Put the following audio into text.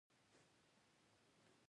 مدني ټولنه نظارت کوي